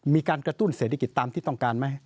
มีการกระตุ้นเศรษฐกิจตามที่ต้องการไหม